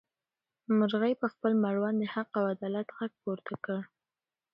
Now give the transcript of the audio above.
مرغۍ په خپل مړوند د حق او عدالت غږ پورته کړ.